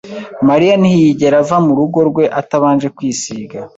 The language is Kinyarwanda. Mariya ntiyigera ava mu rugo rwe atabanje kwisiga.